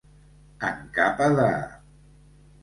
En capa de.